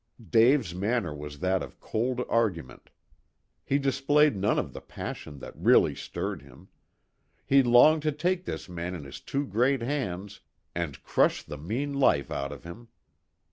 Dave's manner was that of cold argument. He displayed none of the passion that really stirred him. He longed to take this man in his two great hands, and crush the mean life out of him.